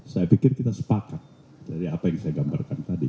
saya pikir kita sepakat dari apa yang saya gambarkan tadi